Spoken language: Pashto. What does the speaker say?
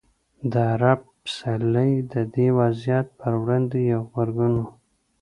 د عرب پسرلی د دې وضعیت پر وړاندې یو غبرګون و.